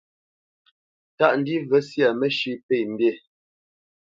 Tâʼ ndî mvə syâ mə́shʉ̄ pə̂ mbî.